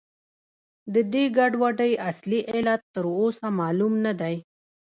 د دې ګډوډۍ اصلي علت تر اوسه معلوم نه دی.